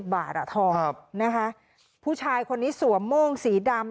บาทอ่ะทองนะคะผู้ชายคนนี้สวมโม่งสีดำ